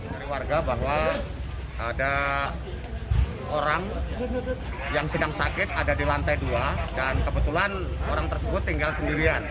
dari warga bahwa ada orang yang sedang sakit ada di lantai dua dan kebetulan orang tersebut tinggal sendirian